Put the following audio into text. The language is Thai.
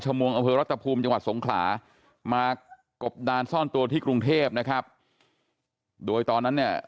จังหวัดสงขลามากบดานซ่อนตัวที่กรุงเทพนะครับโดยตอนนั้นเนี่ย